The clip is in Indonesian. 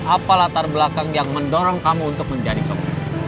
apa yang ada di latar belakang yang mendorong kamu untuk menjadi copet